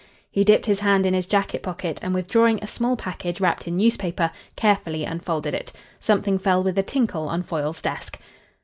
He dipped his hand in his jacket pocket and, withdrawing a small package wrapped in newspaper, carefully unfolded it. Something fell with a tinkle on Foyle's desk.